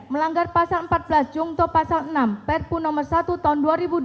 melanggar pasal empat belas jungto pasal enam perpu nomor satu tahun dua ribu dua puluh